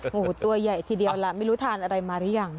โอ้โหตัวใหญ่ทีเดียวล่ะไม่รู้ทานอะไรมาหรือยัง